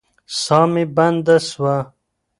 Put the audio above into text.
ساه مي بنده سوه.